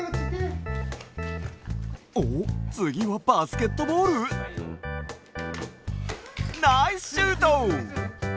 おっつぎはバスケットボール？ナイスシュート！